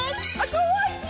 かわいい！